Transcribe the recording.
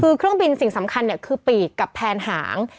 คือเครื่องบินสิ่งสำคัญคือปีกกับแผนหาง